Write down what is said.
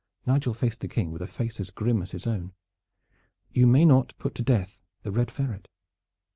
Nigel faced the King with a face as grim as his own. "You may not put to death the Red Ferret."